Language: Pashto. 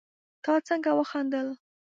تا څنګه وخندل